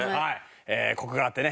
コクがあってね